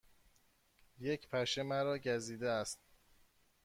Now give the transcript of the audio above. یک پشه مرا گزیده است.